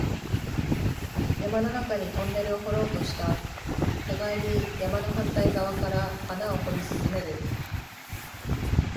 山の中にトンネルを掘ろうとした、互いに山の反対側から穴を掘り進める